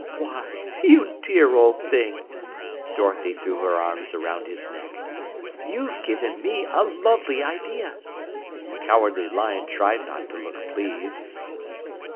"Why, you dear old thing!" Dorothy threw her arms around his neck. "You've given me a lovely idea!" The Cowardly Lion tried not to look pleased.